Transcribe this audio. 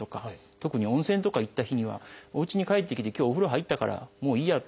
特に温泉とか行った日にはおうちに帰ってきて今日お風呂入ったからもういいやって。